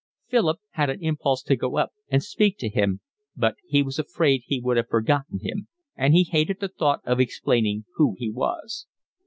Philip had an impulse to go up and speak to him, but he was afraid he would have forgotten him, and he hated the thought of explaining who he was.